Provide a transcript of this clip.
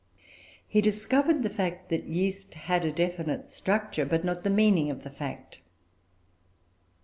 He discovered the fact that yeast had a definite structure, but not the meaning of the fact.